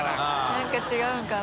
何か違うのかな？